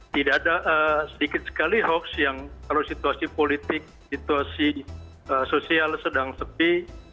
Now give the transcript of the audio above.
tidak ada sedikit sekali hoax yang kalau situasi politik situasi sosial sedang sepi